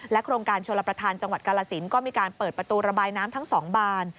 โครงการชลประธานจังหวัดกาลสินก็มีการเปิดประตูระบายน้ำทั้ง๒บาน